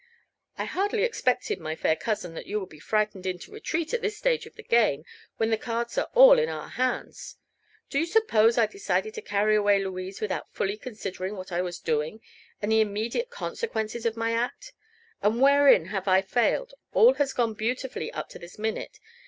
"I hardly expected, my fair cousin, that you would be frightened into retreat at this stage of the game, when the cards are all in our hands. Do you suppose I decided to carry away Louise without fully considering what I was doing, and the immediate consequences of my act? And wherein have I failed? All has gone beautifully up to this minute.